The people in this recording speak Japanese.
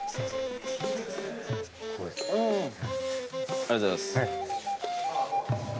ありがとうございます。